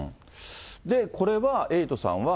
で、これはエイトさんは。